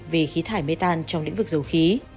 về khí thải metan trong lĩnh vực dầu khí